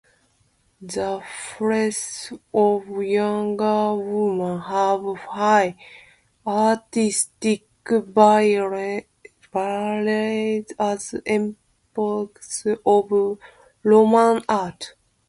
The Frescos of young women have high artistic value as examples of Roman art.